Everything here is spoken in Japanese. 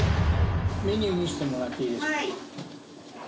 メニュー見してもらっていいですか？